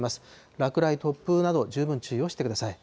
落雷、突風など十分注意をしてください。